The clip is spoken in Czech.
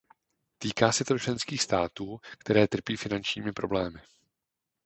Týká se to členských států, které trpí finančními problémy.